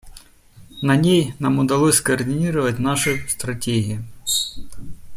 На ней нам удалось скоординировать наши стратегии.